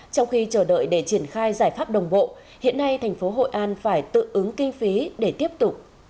trong khi chờ đợi để triển khai giải pháp đồng bộ hiện nay thành phố hội an phải tự ứng kinh phí để tiếp tục